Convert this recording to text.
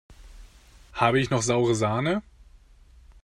Habe ich noch saure Sahne?